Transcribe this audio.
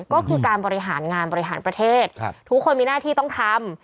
ก็คือการบริหารงานบริหารประเทศทุกคนมีหน้าที่ต้องทำ